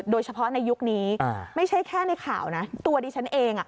โดยเฉพาะในยุคนี้ไม่ใช่แค่ในข่าวนะตัวดิฉันเอง